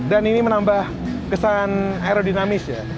dan ini menambah kesan aerodinamis ya